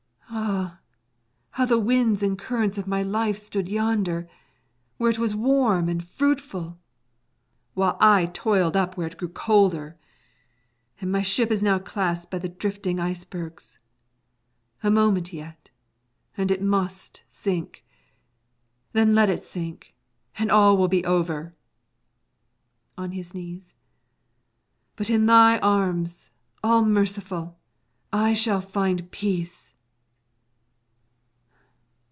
Ah, how the winds and currents of my life stood yonder, where it was warm and fruitful, while I toiled up where it grew ever colder, and my ship is now clasped by the drifting icebergs; a moment yet, and it must sink. Then let it sink, and all will be over. [On his knees.] But in thy arms, All Merciful, I shall find peace!